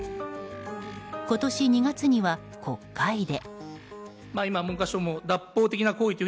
今年２月には国会で。